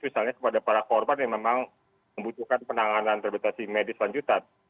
misalnya kepada para korban yang memang membutuhkan penanganan terbatasi medis lanjutan